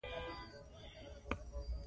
جهاني زړه مي له چا سره پیوند کړم